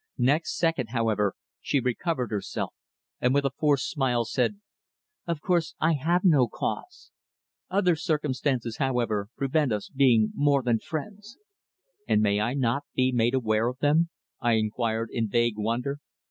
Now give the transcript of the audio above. Next second, however, she recovered herself, and with a forced smile said, "Of course I have no cause. Other circumstances, however, prevent us being more than friends." "And may I not be made aware of them?" I inquired in vague wonder.